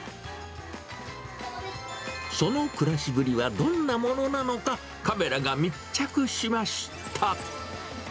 その暮らしぶりはどんなものなのか、カメラが密着しました。